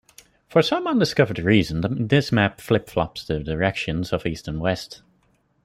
For some undiscovered reason this map flip-flops the directions of east and west.